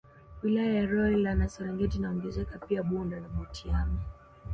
Wilaya ya Rolya na Serengeti inaongezeka pia Bunda na Butiama